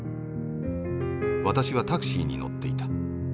私はタクシーに乗っていた。